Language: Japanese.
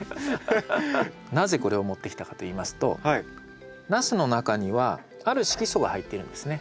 なぜこれを持ってきたかといいますとナスの中にはある色素が入っているんですね。